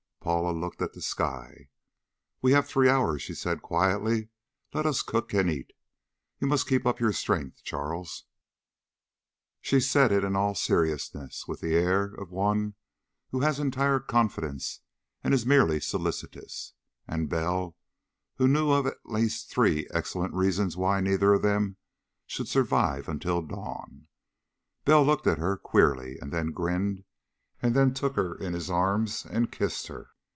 Paula looked at the sky. "We have three hours," she said quietly. "Let us cook and eat. You must keep up your strength, Charles." She said it in all seriousness, with the air of one who has entire confidence and is merely solicitous. And Bell, who knew of at least three excellent reasons why neither of them should survive until dawn Bell looked at her queerly, and then grinned, and then took her in his arms and kissed her.